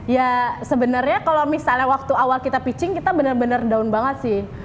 nah sebenarnya kalau misalnya waktu awal kita pitching kita bener bener down banget sih